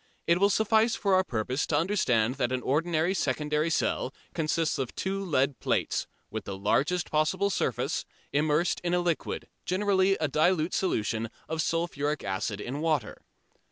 It will suffice for our purpose to understand that an ordinary secondary cell consists of two lead plates, with the largest possible surface, immersed in a liquid, generally a dilute solution of sulphuric acid in water.